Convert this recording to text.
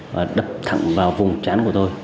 và đập thẳng vào vùng chán của tôi